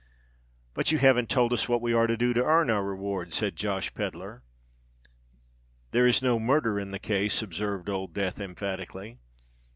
"But you haven't told us what we are to do to earn our reward," said Josh Pedler. "There is no murder in the case," observed Old Death, emphatically.